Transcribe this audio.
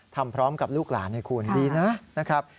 ทำพร้อมกับลูกหลานให้คุณดีนะครับ